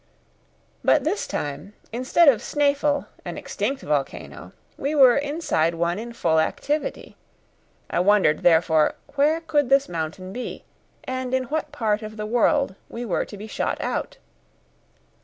But this time, instead of Snæfell, an extinct volcano, we were inside one in full activity. I wondered, therefore, where could this mountain be, and in what part of the world we were to be shot out.